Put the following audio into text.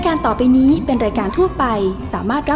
คุณล่ะโหลดแล้วยัง